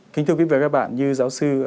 kính thưa quý vị và các bạn như giáo sư